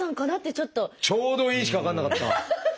「ちょうどいい」しか分かんなかった！